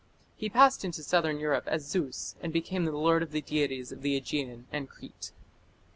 He passed into southern Europe as Zeus, and became "the lord" of the deities of the Aegean and Crete.